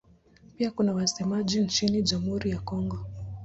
Pia kuna wasemaji nchini Jamhuri ya Kongo.